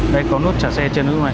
đây có nút trả xe trên ứng dụng này